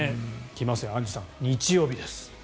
来ますよ、アンジュさん日曜日です。